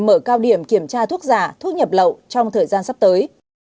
mở cao điểm kiểm tra thuốc giả thuốc nhập lậu trong thời gian sắp tới